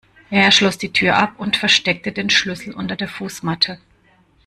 Er schloss die Tür ab und versteckte den Schlüssel unter der Fußmatte.